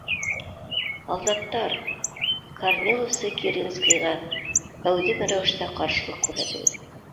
Һалдаттар, корниловсы Керенскийға әүҙем рәүештә ҡаршылыҡ күрһәтегеҙ!